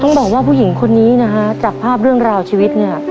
ต้องบอกว่าผู้หญิงคนนี้นะฮะจากภาพเรื่องราวชีวิตเนี่ย